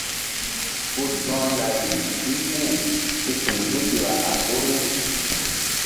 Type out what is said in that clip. Ku dɔ̧h lari ɓil pul si ku̧h tusiɓa a ɓoru.